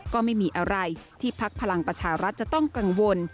ก็ไม่มีอะไรที่พักพลังประชารัฐจะต้องกังวล